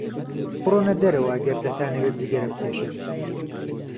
بڕۆنە دەرەوە ئەگەر دەتانەوێت جگەرە بکێشن.